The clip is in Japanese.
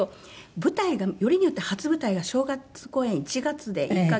舞台がよりによって初舞台が正月公演１月で１カ月あって。